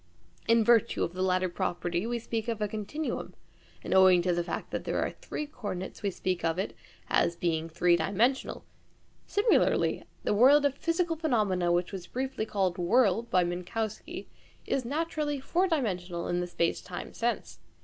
In virtue of the latter property we speak of a " continuum," and owing to the fact that there are three co ordinates we speak of it as being " three dimensional." Similarly, the world of physical phenomena which was briefly called " world " by Minkowski is naturally four dimensional in the space time sense.